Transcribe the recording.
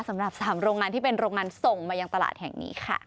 สำหรับ๓โรงงานที่เป็นโรงงานส่งมายังตลาดแห่งนี้ค่ะ